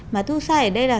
mà thu sai ở đây là sao